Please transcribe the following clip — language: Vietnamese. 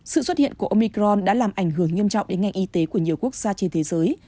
sự xuất hiện của omicron đã làm ảnh hưởng nghiêm trọng đến ngành y tế của nhiều quốc gia trên thế giới